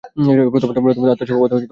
প্রথমত আত্মা স্বভাবত জ্ঞাতা নহেন।